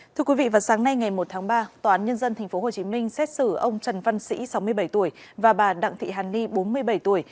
thưa quý vị vào sáng nay ngày một tháng ba tòa án nhân dân tp hcm xét xử ông trần văn sĩ sáu mươi bảy tuổi và bà đặng thị hàn ni bốn mươi bảy tuổi